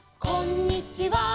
「こんにちは」